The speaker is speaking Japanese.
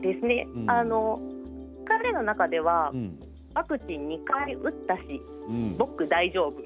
彼の中ではワクチンを２回打ったし、僕大丈夫。